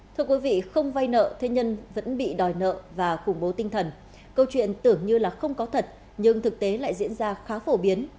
thưa quý vị không vay nợ thế nhưng vẫn bị đòi nợ và khủng bố tinh thần câu chuyện tưởng như là không có thật nhưng thực tế lại diễn ra khá phổ biến